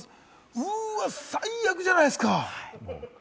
うわ、最悪じゃないですか！